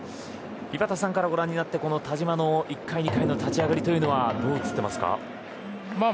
井端さんからご覧になって田嶋の１回、２回の立ち上がりはどう映っていますか。